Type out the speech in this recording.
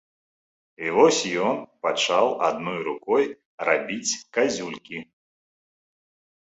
І вось ён пачаў адной рукой рабіць казюлькі.